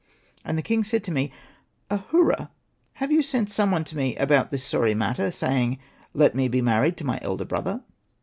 And the king said to me, ' Ahura, have you sent some one to me about this sorry matter, saying, '^ Let me be married to my elder brother"